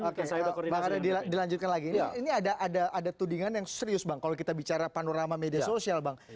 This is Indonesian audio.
oke saya dilanjutkan lagi ini ada tudingan yang serius bang kalau kita bicara panorama media sosial bang